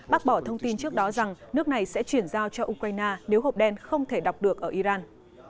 bác bỏ thông tin trước đó rằng nước này sẽ chuyển giao cho ukraine nếu hộp đen không thể đọc được ở iran